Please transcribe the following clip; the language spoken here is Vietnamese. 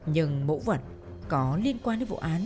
nhưng mẫu vật có liên quan đến vụ án